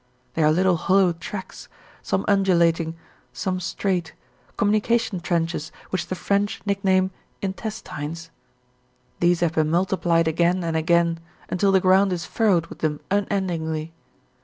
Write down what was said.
They are little hollow tracks, some undulating, some straight, communication trenches which the French nickname "intestines." These have been multiplied again and again, until the ground is furrowed with them unendingly.